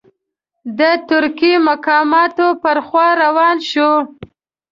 د ترکي مقاماتو پر خوا روان شو.